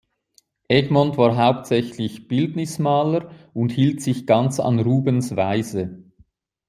Egmont war hauptsächlich Bildnismaler und hielt sich ganz an Rubens' Weise.